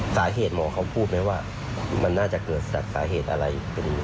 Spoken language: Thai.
สาเหตุหมอเขาพูดไหมว่ามันน่าจะเกิดสาเหตุอะไรอีกไปเนี่ย